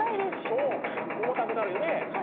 そう重たくなるよね。